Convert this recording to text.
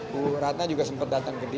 bu ratna juga sempat datang ke dia